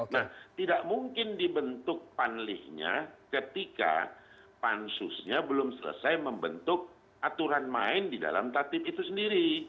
nah tidak mungkin dibentuk panli nya ketika pansus nya belum selesai membentuk aturan main di dalam tatip itu sendiri